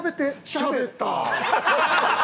しゃべった！